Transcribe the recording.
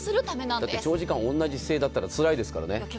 だって長時間同じ姿勢だったら、つらいですよね。